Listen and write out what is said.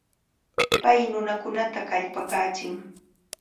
Pay nunakunata kallpakachin.